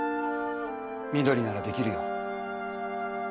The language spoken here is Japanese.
翠ならできるよ。